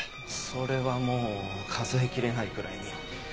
それはもう数え切れないくらいに。